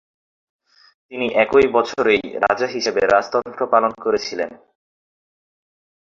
তিনি একই বছরেই রাজা হিসেবে রাজতন্ত্র পালন করেছিলেন।